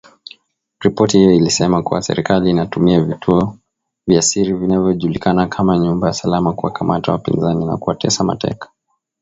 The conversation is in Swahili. Ripoti hiyo ilisema kuwa serikali inatumia vituo vya siri vinavyojulikana kama nyumba salama kuwakamata wapinzani na kuwatesa mateka